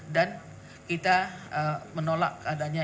dan kita menolak adanya